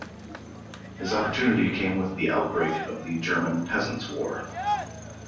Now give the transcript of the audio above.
His opportunity came with the outbreak of the German Peasants' War.